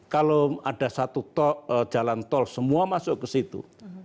kalau ada satu jalan tol semua masuk ke situ